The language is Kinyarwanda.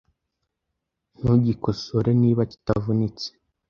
Ntugikosore niba kitavunitse .